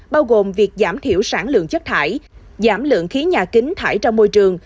bao gồm việc giảm thiểu sản lượng chất thải giảm lượng khí nhà kính thải ra môi trường